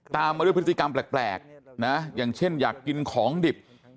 ตามมาด้วยพฤติกรรมแปลกนะอย่างเช่นอยากกินของดิบ